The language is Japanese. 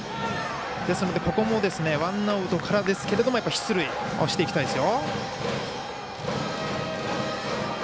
ですので、ここもワンアウトからですけども出塁をしていきたいですよ。